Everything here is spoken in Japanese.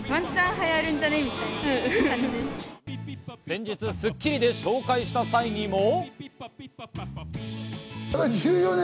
先日『スッキリ』で紹介した際にも。